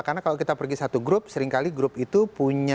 karena kalau kita pergi satu grup seringkali grup itu punya